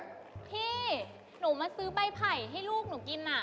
พี่หนูมาซื้อใบไผ่ให้ลูกหนูกิน